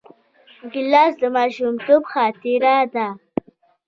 ګیلاس د ماشومتوب خاطره ده.